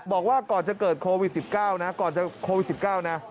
บอกว่าก่อนจะเกิดโควิด๑๙นะ